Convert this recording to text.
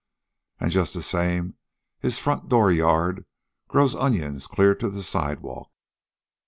An' just the same his front door yard grows onions clear to the sidewalk.